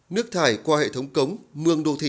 nước thải qua hệ thống cống mương đô thịt